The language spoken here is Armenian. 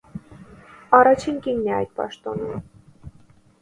Առաջին կինն է այդ պաշտոնում։